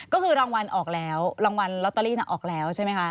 ก็คือรางวัลออกแล้วรางวัลลอตเตอรี่น่ะออกแล้วใช่ไหมคะ